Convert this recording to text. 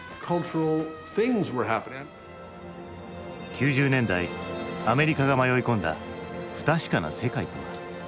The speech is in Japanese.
９０年代アメリカが迷い込んだ不確かな世界とは。